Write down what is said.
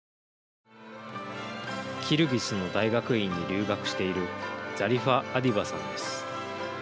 キルギスの大学院に留学しているザリファ・アディバさんです。